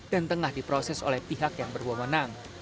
dan tengah diproses oleh pihak yang berwawanan